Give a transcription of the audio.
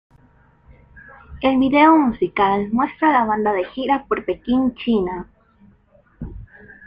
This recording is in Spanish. El video musical muestra a la banda de gira por Pekín, China.